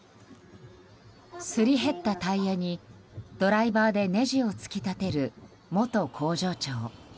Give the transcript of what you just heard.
すり減ったタイヤにドライバーでネジを突き立てる元工場長。